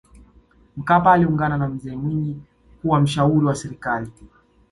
mkapa aliungana na mzee mwinyi kuwa mshauri wa serikali